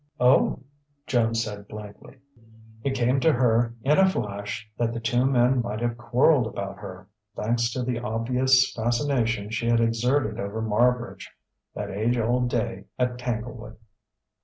"Oh!" Joan said blankly.... It came to her, in a flash, that the two men might have quarrelled about her, thanks to the obvious fascination she had exerted over Marbridge, that age old day at Tanglewood.